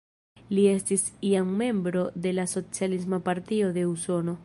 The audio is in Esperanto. Li estis iam membro de la Socialisma Partio de Usono.